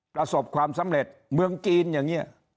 กระทบความสำเร็จเหมือนกินอย่างเนี่ย